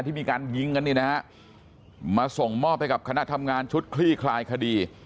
ที่มีการยิงกันนี่นะฮะมาส่งมอบให้กับคณะทำงานชุดคลี่คลายคดี